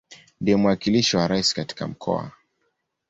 Ndiye mwakilishi wa Rais katika Mkoa.